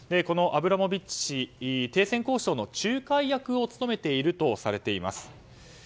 アブラモビッチ氏停戦交渉の仲介役を務めているとされています。